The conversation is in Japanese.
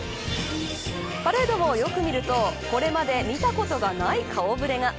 パレードをよく見るとこれまで見たことがない顔触れが。